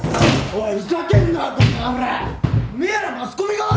おい！